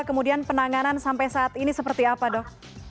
kemudian penanganan sampai saat ini seperti apa dok